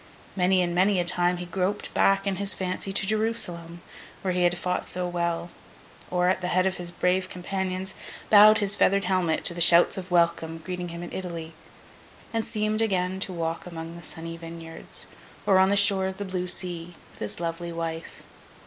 Many and many a time, he groped back, in his fancy, to Jerusalem, where he had fought so well; or, at the head of his brave companions, bowed his feathered helmet to the shouts of welcome greeting him in Italy, and seemed again to walk among the sunny vineyards, or on the shore of the blue sea, with his lovely wife.